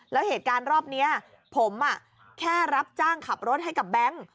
แล้วเหตุการณ์รอบนี้ผมแค่รับจ้างขับรถให้กับแบงค์